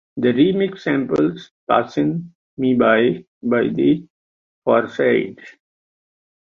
The remix samples "Passin' Me By" by The Pharcyde.